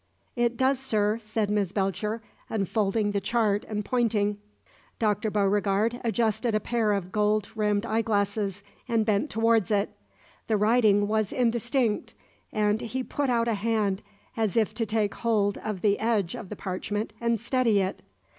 "It does, sir," said Miss Belcher, unfolding the chart and pointing. Dr. Beauregard adjusted a pair of gold rimmed eyeglasses and bent towards it. The writing was indistinct, and he put out a hand as if to take hold of the edge of the parchment and steady it.